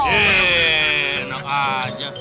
eh enak aja